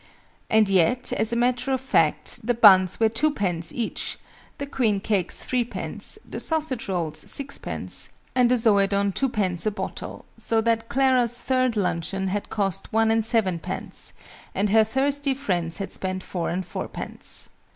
And yet, as a matter of fact, the buns were 2_d._ each, the queen cakes 3_d._, the sausage rolls 6_d._, and the Zoëdone 2_d._ a bottle: so that Clara's third luncheon had cost one and sevenpence, and her thirsty friends had spent four and fourpence!